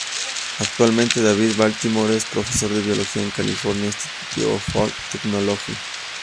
Actualmente David Baltimore es Profesor de Biología en el California Institute of Technology.